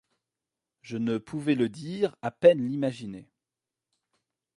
Je ne pouvais le dire, à peine l’imaginer.